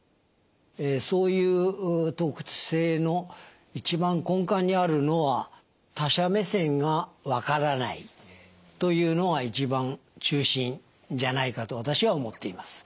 そういう特性の一番根幹にあるのは他者目線がわからないというのが一番中心じゃないかと私は思っています。